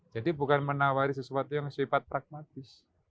jadi bukan menawari sesuatu yang sifat pragmatis